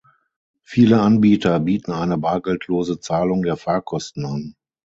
Viele Anbieter bieten eine bargeldlose Zahlung der Fahrtkosten an.